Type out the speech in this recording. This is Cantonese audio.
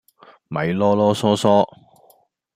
咪嚕嚕囌囌